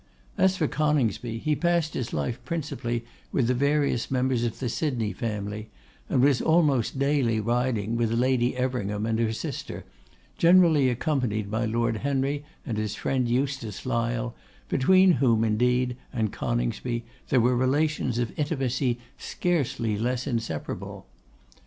As for Coningsby, he passed his life principally with the various members of the Sydney family, and was almost daily riding with Lady Everingham and her sister, generally accompanied by Lord Henry and his friend Eustace Lyle, between whom, indeed, and Coningsby there were relations of intimacy scarcely less inseparable.